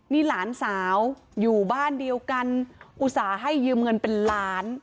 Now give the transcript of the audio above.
นี่หลานสาวอยู่บ้านเดียวกันอุตส่าห์ให้ยืมเงินเป็นล้าน